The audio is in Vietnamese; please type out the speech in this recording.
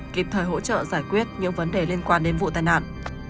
kịp thời hỗ trợ giải quyết những vấn đề liên quan đến vụ tai nạn